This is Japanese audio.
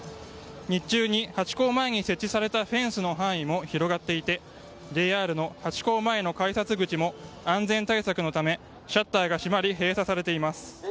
日中にハチ公前に設置されたフェンスの範囲も広がっていてＪＲのハチ公前の改札口も安全対策のためシャッターが閉まり閉鎖されています。